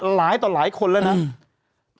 ผู้หญิงไปเนี่ยหลายต่อหลายคนแล้วนะ